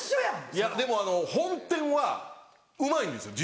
いやでも本店はうまいんですよ